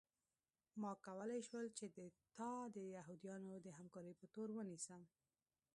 ما کولی شول چې تا د یهودانو د همکارۍ په تور ونیسم